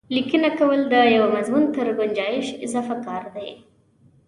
لیکنه کول د یوه مضمون تر ګنجایش اضافه کار دی.